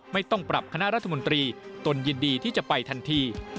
ไม่ต้องปรับคณะรัฐมนตรีตนยินดีที่จะไปทันที